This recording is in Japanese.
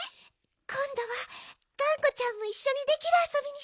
こんどはがんこちゃんもいっしょにできるあそびにしましょう。